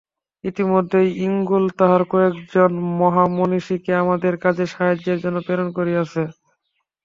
ইতোমধ্যেই ইংলণ্ড তাহার কয়েকজন মহামনীষীকে আমাদের কাজে সাহায্যের জন্য প্রেরণ করিয়াছে।